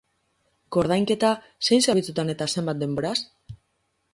Koordainketa, zein zerbitzutan eta zenbat denboraz?